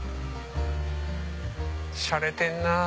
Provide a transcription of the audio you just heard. しゃれてんなぁ。